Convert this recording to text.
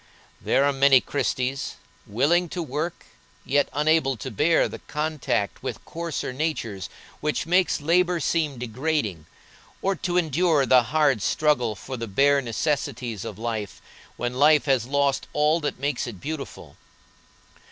There are many Christies, willing to work, yet unable to bear the contact with coarser natures which makes labor seem degrading, or to endure the hard struggle for the bare necessities of life when life has lost all that makes it beautiful.